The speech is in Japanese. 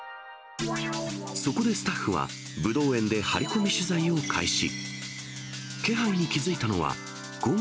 そこでスタッフは、ぶどう園で張り込み取材を開始。